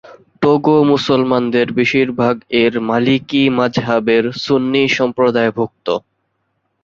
Togo মুসলমানদের বেশীরভাগ এর মালিকি মাজহাবের সুন্নি সম্প্রদায়ভুক্ত।